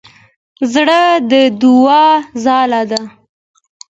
زړه د دوعا ځاله ده.